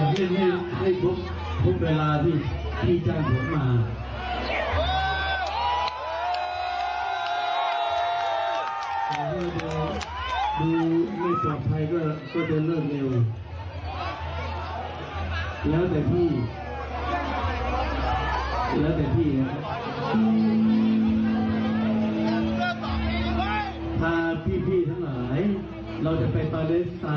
พี่แล้วเป็นพี่ถ้าพี่ทั้งหลายเราจะไปต่อเลสไตล์ด้วยกันครับเชิญครับ